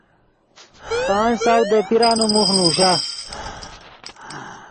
پانچ سو دے پیرانے موخ نوشا۔